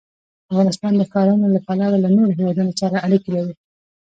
افغانستان د ښارونه له پلوه له نورو هېوادونو سره اړیکې لري.